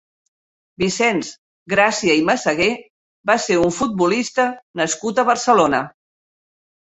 Vicenç Gràcia i Massagué va ser un futbolista nascut a Barcelona.